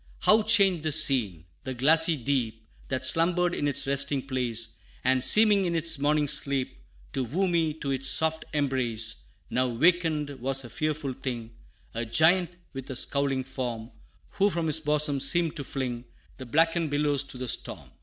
How changed the scene! The glassy deep That slumbered in its resting place, And seeming in its morning sleep To woo me to its soft embrace, Now wakened, was a fearful thing, A giant with a scowling form, Who from his bosom seemed to fling The blackened billows to the storm.